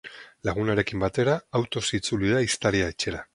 Lagunarekin batera, autoz itzuli da ehiztaria etxera.